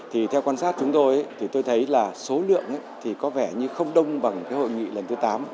thì theo quan sát chúng tôi thì tôi thấy là số lượng thì có vẻ như không đông bằng cái hội nghị lần thứ tám